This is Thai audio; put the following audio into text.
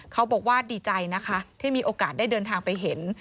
เขาบอกว่าดีใจนะคะที่มีโอกาสได้เดินทางไปเห็น